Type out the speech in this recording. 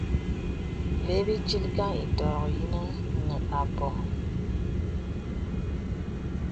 Və bì tilkəŋ ìtɔ̄rɔ̀k yinə̀ nə à bɔ̀.